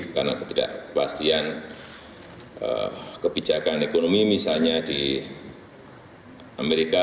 karena ketidakpastian kebijakan ekonomi misalnya di amerika